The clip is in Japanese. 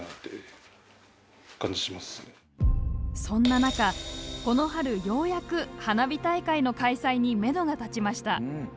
そんな中、この春ようやく花火大会の開催にめどが立ちました。